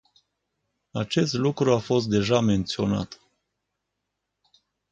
Acest lucru a fost deja menționat.